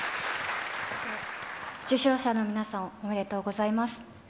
受賞者の皆さん、おめでとうございます。